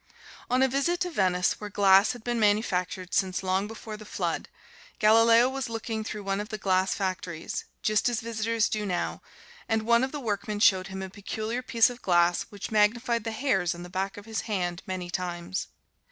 On a visit to Venice, where glass had been manufactured since long before the Flood, Galileo was looking through one of the glass factories, just as visitors do now, and one of the workmen showed him a peculiar piece of glass which magnified the hairs on the back of his hand many times.